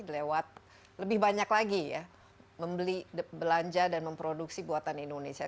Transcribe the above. lewat lebih banyak lagi ya membeli belanja dan memproduksi buatan indonesia